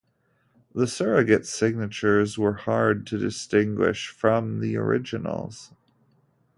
The surrogate signatures were hard to distinguish from the originals.